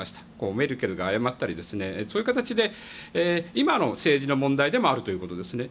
メルケルが謝ったりそういう形で、今の政治の問題でもあるんですよね。